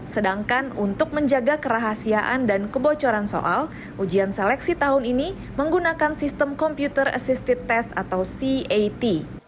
sedangkan untuk menjaga kerahasiaan dan kebocoran soal ujian seleksi tahun ini menggunakan sistem computer assisted test atau cat